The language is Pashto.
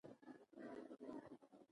دلته جوړ شوی ماشین د کار محصول دی.